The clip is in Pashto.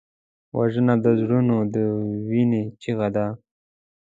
وژنه د زړونو د وینې چیغه ده